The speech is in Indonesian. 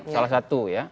salah satu ya